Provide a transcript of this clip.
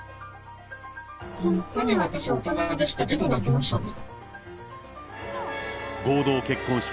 本当に私、大人でしたけど、泣きましたね。